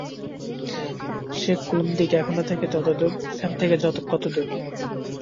সে কোন দিকে, এখান থেকে কতদূর?